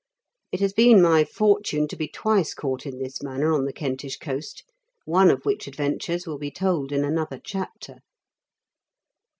It has been my fortune to be twice caught in this manner on the Kentish coast, one of which adventures will be told in another chapter.